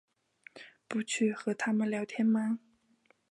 不去和他们聊天吗？